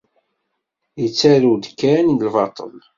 Ittarrew-d kan lbaṭel.